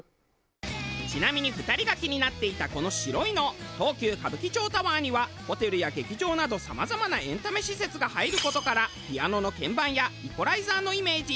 ちなみに２人が気になっていたこの白いの東急歌舞伎町タワーにはホテルや劇場などさまざまなエンタメ施設が入る事からピアノの鍵盤やイコライザーのイメージ。